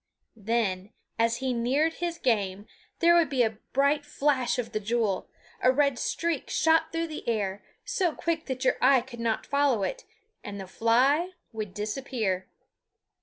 Then, as he neared his game, there would be a bright flash of the jewel; a red streak shot through the air, so quick that your eye could not follow it, and the fly would disappear.